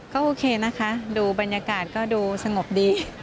ก็โอเคนะคะดูบรรยากาศก็ดูสงบดี